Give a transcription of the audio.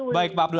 baik pak abdul